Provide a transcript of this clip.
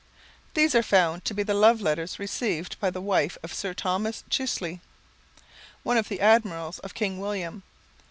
These are found to be the love letters received by the wife of Sir Thomas Chichley, one of the admirals of King William.